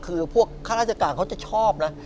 คือพวกข้าราชการเขาจะชอบนะ